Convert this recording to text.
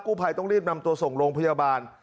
ภัยต้องรีบนำตัวส่งโรงพยาบาล